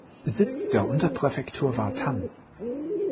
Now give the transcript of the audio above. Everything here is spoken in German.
Sitz der Unterpräfektur war Thann.